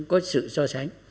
có sự so sánh